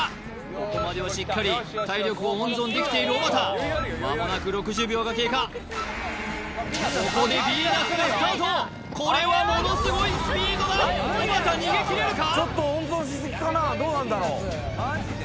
ここまではしっかり体力を温存できているおばたまもなく６０秒が経過ここでこれはものすごいスピードだおばた逃げきれるか？